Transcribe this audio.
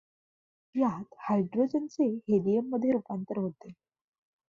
यात हायड्रोजनचे हेलियममधे रुपांतर होते.